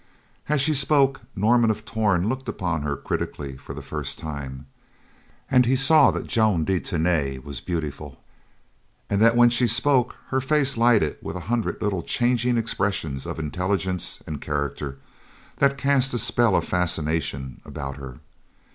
As she spoke, Norman of Torn looked upon her critically for the first time, and he saw that Joan de Tany was beautiful, and that when she spoke, her face lighted with a hundred little changing expressions of intelligence and character that cast a spell of fascination about her.